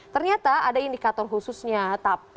ternyata ada indikator khususnya